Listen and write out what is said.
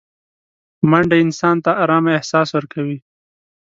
منډه انسان ته ارامه احساس ورکوي